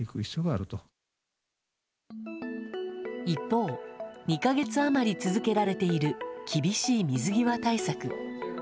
一方、２か月余り続けられている厳しい水際対策。